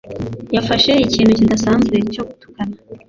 Yafashe ikintu kidasanzwe cyo gutukana